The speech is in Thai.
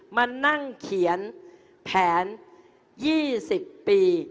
มานั่งเขียนแผน๒๐ปี